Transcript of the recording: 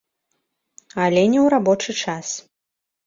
Але не ў рабочы час.